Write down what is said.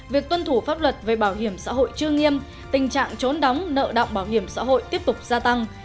việc tuân thủ pháp luật về bảo hiểm xã hội chưa nghiêm tình trạng trốn đóng nợ động bảo hiểm xã hội tiếp tục gia tăng